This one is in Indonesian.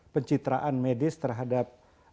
pencitraan medis terhadap